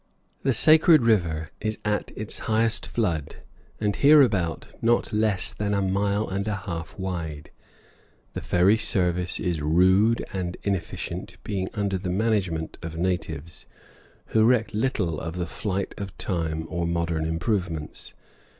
The sacred river is at its highest flood, and hereabout not less than a mile and half wide. The ferry service is rude and inefficient, being under the management of natives, who reck little of the flight of time or modern improvements.